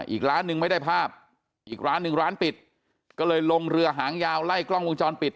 อีกร้านหนึ่งไม่ได้ภาพอีกร้านหนึ่งร้านปิดก็เลยลงเรือหางยาวไล่กล้องวงจรปิด